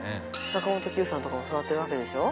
坂本九さんとかも座ってるわけでしょ？